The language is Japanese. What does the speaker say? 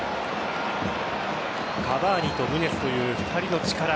カヴァーニとヌニェスという２人の力。